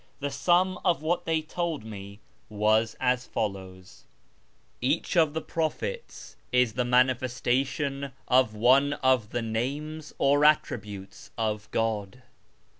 The sum of what they told me was as follows :— Each of the prophets is the " manifestation " of one of the Names (or Attributes) of God.